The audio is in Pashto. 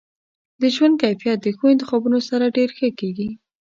د ژوند کیفیت د ښو انتخابونو سره ډیر ښه کیږي.